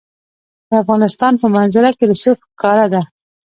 د افغانستان په منظره کې رسوب ښکاره ده.